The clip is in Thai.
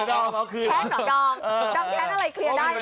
เอาคืนเอาคืนเอาดองเอาคืน